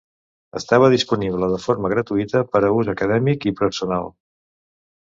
Estava disponible de forma gratuïta per a ús acadèmic i personal.